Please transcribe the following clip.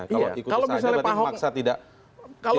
kalau ikuti saja berarti memaksa tidak boleh